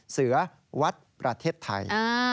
เสือวัดประเทศไทย